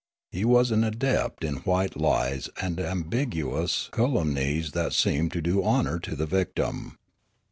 He was an adept in white lies and ambiguous calumnies that seemed to do honour to the victim.